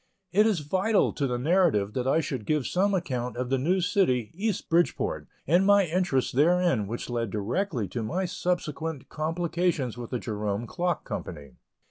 It is vital to the narrative that I should give some account of the new city, East Bridgeport, and my interests therein, which led directly to my subsequent complications with the Jerome Clock Company.